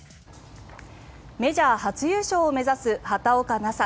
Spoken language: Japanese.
メジャー初優勝を目指す畑岡奈紗。